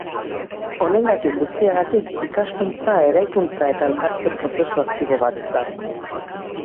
Honengatik guztiagatik, ikaskuntza eraikuntza eta elkartze prozesu aktibo bat da.